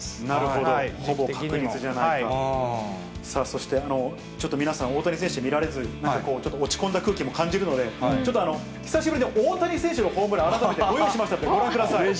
ほぼ確実じゃないそして、ちょっと皆さん、大谷選手見られず、ちょっと落ち込んだ空気も感じるので、ちょっと久しぶりに、大谷選手のホームラン、改めてご用意しましたので、ご覧ください。